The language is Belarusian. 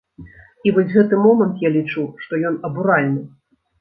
І вось гэты момант, я лічу, што ён абуральны.